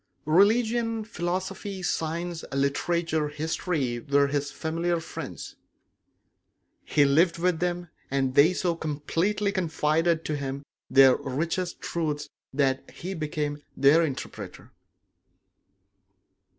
Religion, philosophy, science, literature, history were his familiar friends; he lived with them, and they so completely confided to him their richest truths that he became their interpreter.